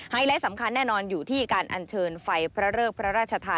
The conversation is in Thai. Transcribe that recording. ไลท์สำคัญแน่นอนอยู่ที่การอัญเชิญไฟพระเริกพระราชทาน